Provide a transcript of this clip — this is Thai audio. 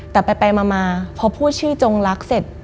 แต่ไปมาพอพูดชื่อจงลักษณ์เสร็จ